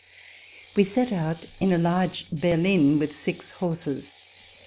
We set out in a large herline with six horses.